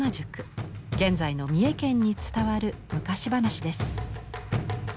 現在の三重県に伝わる昔話です。